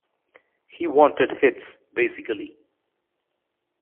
He wanted hits, basically.